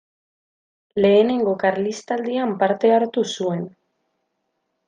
Lehenengo Karlistaldian parte hartu zuen.